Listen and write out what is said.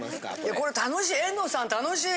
これ楽しい。